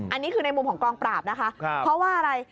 อันนี้คือในมุมของกองปราบนะคะเพราะว่าอะไร